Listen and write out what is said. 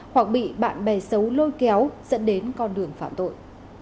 hoặc bị bạn bè xấu lôi kéo dẫn đến con đường phạm tội